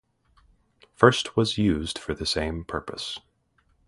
First was used for the same purpose.